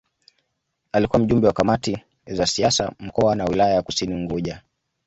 Alikuwa Mjumbe wa Kamati za Siasa Mkoa na Wilaya ya Kusini Unguja